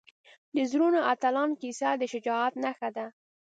د زړورو اتلانو کیسه د شجاعت نښه ده.